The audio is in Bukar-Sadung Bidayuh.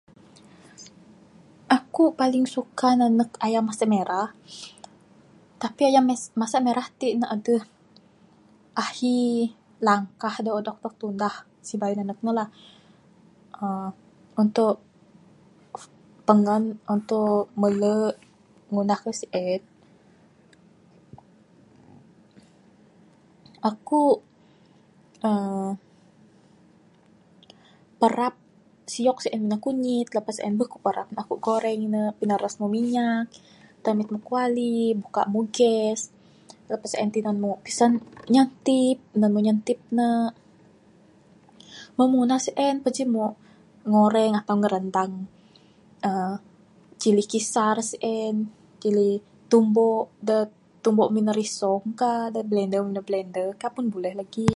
Aku paling suka nanek ayam masak merah, tapi ayam mas ... masak merah ti ne adeh ahi langkah da odog dog tundah sibayuh nanek ne lah. aaa untuk tengen untuk mele ngunah kayuh si'en, aku aaa parap siok se'en minen kunyit lepas en meh ku parap aku goreng ne, pineres mu minyak, tamit mu kuali, buka mu gas, lepas en tinen mu pisen nyantip, nan mu nyantip ne. Meh mu ngundah sien pajin mu ngoreng atau ngirendang aaa cili kisar se'en, cili tumbok da tumbok minen risong kah da blender minen blender kah pun buleh lagi.